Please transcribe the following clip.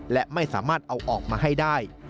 และไม่สามารถเอาออกมาให้ได้